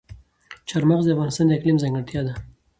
چار مغز د افغانستان د اقلیم ځانګړتیا ده.